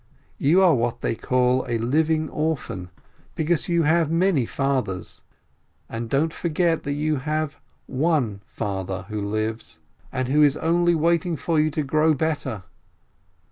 You are what they call a 'living orphan,' because you have many fathers ; and don't forget that you have one Father EARTH OF PALESTINE 51 who lives, and who is only waiting for you to grow better.